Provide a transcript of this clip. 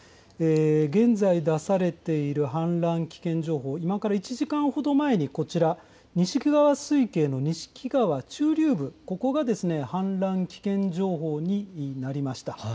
現在出されている氾濫危険情報、今から１時間ほど前に錦川水系の錦川中流部、ここが氾濫危険情報になりました。